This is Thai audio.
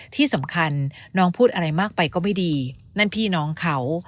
ที่สำคัญน้องพูดอะไรมากไปก็ไม่ดีนั่นพี่น้องเขา